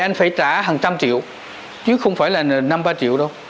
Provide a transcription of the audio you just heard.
anh phải trả hàng trăm triệu chứ không phải là năm ba triệu đâu